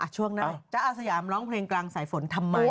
ช่วงหน้าจ๊ะอาสยามร้องเพลงกลางสายฝนทำไม